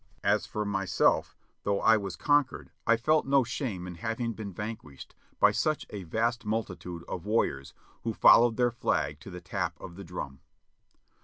As for myself, though I was conquered, I felt no shame in having been vanquished by such a vast multitude of warriors who "Followed their flag To the tap of the drum."